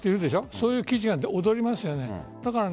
そういう記事が踊りますよね。